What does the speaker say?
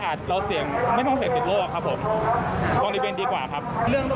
คิดว่าสถานีการคำสืบจะปิดการให้บริการในตรงนี้